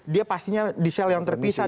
dia pastinya di sel yang terpisah